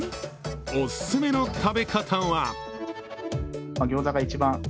お勧めの食べ方は？